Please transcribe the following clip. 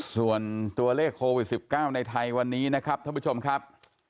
ส่วนตัวเลขโควิด๑๙ในไทยวันนี้นะครับท่านผู้ชมครับ